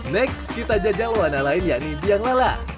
next kita jajal warna lain yakni biang lala